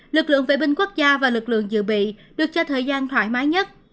lực lượng vệ binh quốc gia và lực lượng dự bị được cho thời gian thoải mái nhất